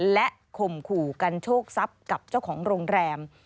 และข่มขู่กันโชคทรัพย์กับเจ้าของโรงแรม